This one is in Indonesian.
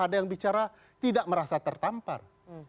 ada yang bicara tidak merasa tertampar